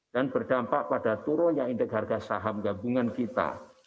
dan berdampak pada turun yang indek harga saham gabungan kita